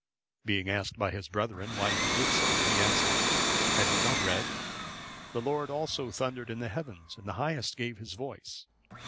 Being asked by his brethren why he did so, he answered, "Have not you read—'The Lord also thundered in the heavens, and the Highest gave his voice.